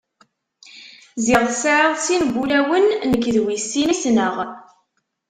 Ziɣ tesɛiḍ sin n wulawen, nekk d wis sin ay ssneɣ.